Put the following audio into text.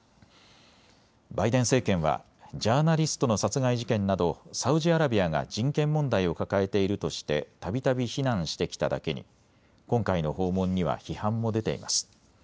バイデン政権はジャーナリストの殺害事件などサウジアラビアが人権問題を抱えているとしてたびたび非難してきただけに今回の訪問には批判も出ています。